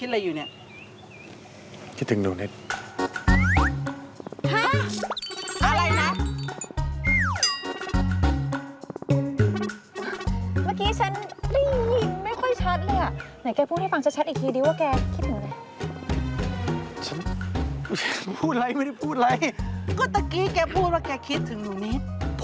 แทนเป็นอะไรเหมือเชือกิดอะไรอยู่นี่